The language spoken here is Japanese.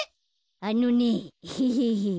あのねヘヘヘ。